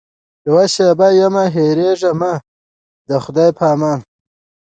یوه شېبه یمه هېرېږمه د خدای په امان.